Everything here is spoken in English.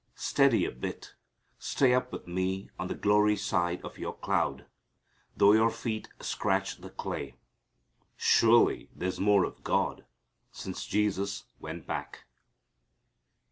Steady a bit. Stay up with Me on the glory side of your cloud, though your feet scratch the clay." Surely there's more of God since Jesus went back!